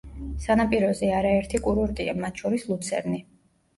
სანაპიროზე არაერთი კურორტია, მათ შორის ლუცერნი.